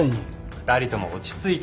２人とも落ち着いて。